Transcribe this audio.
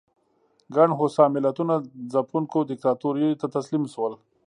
ګڼ هوسا ملتونه ځپونکو دیکتاتوریو ته تسلیم شول.